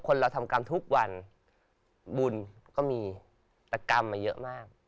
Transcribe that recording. เราทำกรรมทุกวันบุญก็มีแต่กรรมมาเยอะมาก